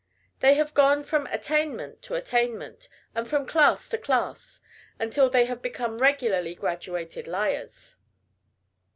They have gone from attainment to attainment, and from class to class, until they have become regularly graduated liars.